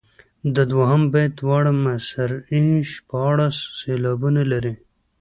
د دوهم بیت دواړه مصرعې شپاړس سېلابونه لري.